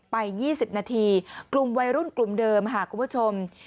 ๒๐นาทีกลุ่มวัยรุ่นกลุ่มเดิมค่ะคุณผู้ชม